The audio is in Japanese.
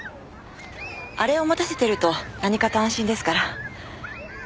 あれを持たせていると何かと安心ですから。